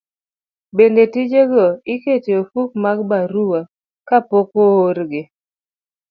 Bende tijego iketo e ofuko mag barua kapok oorgi.